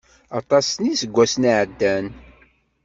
Aṭas n iseggasen i ɛeddan.